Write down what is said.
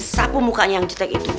sapu mukanya yang jelek itu